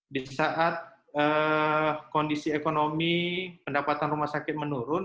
di saat kondisi ekonomi pendapatan rumah sakit menurun